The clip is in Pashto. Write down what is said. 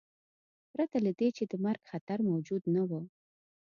پرته له دې چې د مرګ خطر موجود نه و.